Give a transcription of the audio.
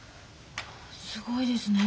すごいですね。